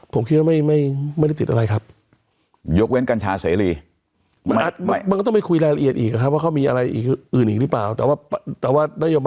ผมคิดว่าไม่ได้ติดอะไรครับ